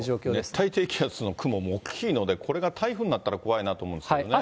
熱帯低気圧の雲も大きいので、これが台風になったら、怖いなと思うんですけれどもね。